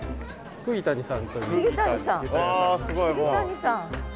釘谷さん！